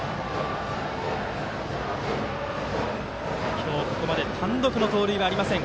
今日ここまで単独の盗塁はありません